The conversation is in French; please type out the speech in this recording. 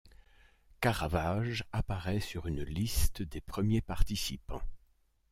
Caravage apparaît sur une liste des premiers participants.